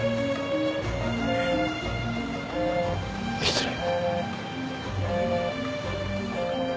失礼。